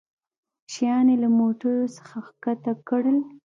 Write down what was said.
شيان يې له موټرڅخه کښته کړل.